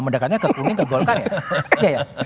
mendekatnya ke publik ke golkar ya